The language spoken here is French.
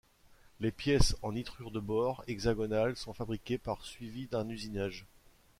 Les pièces en nitrure de bore hexagonal sont fabriquées par suivi d'un usinage.